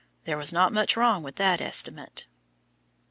There was not much wrong with that estimate.